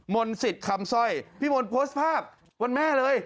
มนต์สิทธิ์คำสร้อยพี่มนต์โพสต์ภาพวันแม่เลย